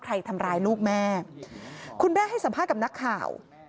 ทำร้ายลูกแม่คุณแม่ให้สัมภาษณ์กับนักข่าว